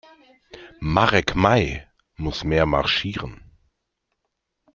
Marek Mai muss mehr marschieren.